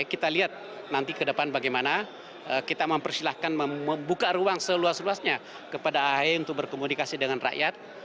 kita lihat nanti ke depan bagaimana kita mempersilahkan membuka ruang seluas luasnya kepada ahy untuk berkomunikasi dengan rakyat